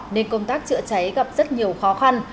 nên công tác chữa cháy gặp rất nhiều khó khăn